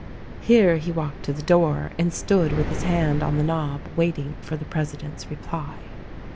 Here he walked to the door and stood with his hand on the knob, waiting for the president's reply.